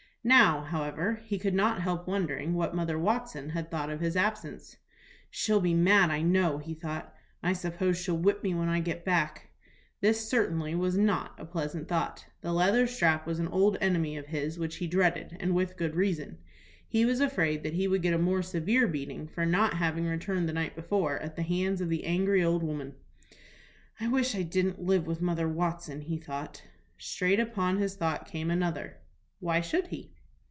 Now, however, he could not help wondering what Mother Watson had thought of his absence. "She'll be mad, I know," he thought. "I suppose she'll whip me when I get back." This certainly was not a pleasant thought. The leather strap was an old enemy of his, which he dreaded, and with good reason. He was afraid that he would get a more severe beating, for not having returned the night before, at the hands of the angry old woman. "I wish I didn't live with Mother Watson," he thought. Straight upon this thought came another. "Why should he?"